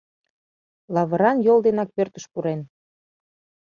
— Лавыран йол денак пӧртыш пурен.